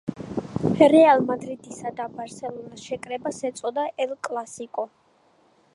რეალ მადრიდისა და ბარსელონას შერკინებას ეწოდება ელ კლასიკო